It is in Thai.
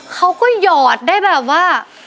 เขาก็หยอดได้แบบว่า